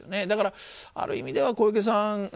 だから、ある意味では小池さん